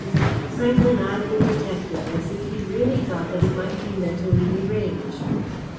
Franklyn eyed the detective as if he really thought that he might be mentally deranged.